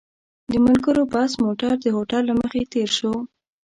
د ملګرو بس موټر د هوټل له مخې تېر شو.